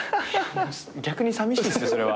逆にさみしいですよそれは。